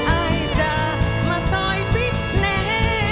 อายจะมาซอยพิแนะ